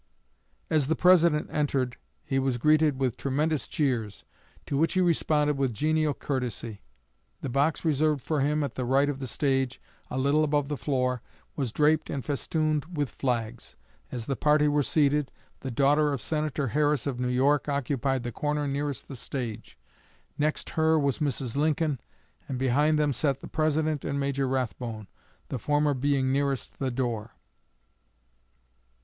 As the President entered he was greeted with tremendous cheers, to which he responded with genial courtesy. The box reserved for him, at the right of the stage, a little above the floor, was draped and festooned with flags. As the party were seated, the daughter of Senator Harris of New York occupied the corner nearest the stage; next her was Mrs. Lincoln; and behind them sat the President and Major Rathbone, the former being nearest the door.